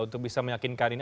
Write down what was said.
untuk bisa meyakinkan ini